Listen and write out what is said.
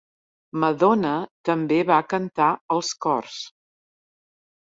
Madonna també va cantar els cors.